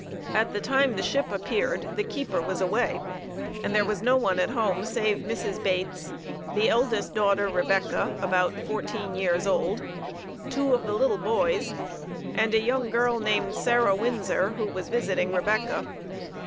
At the time the ship appeared, the keeper was away, and there was no one at home save Mrs. Bates, the eldest daughter, Rebecca, about fourteen years old, two of the little boys, and a young girl named Sarah Winsor, who was visiting Rebecca.